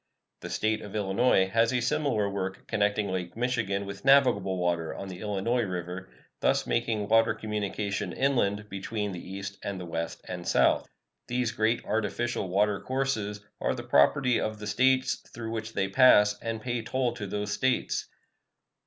The State of Illinois has a similar work connecting Lake Michigan with navigable water on the Illinois River, thus making water communication inland between the East and the West and South. These great artificial water courses are the property of the States through which they pass, and pay toll to those States.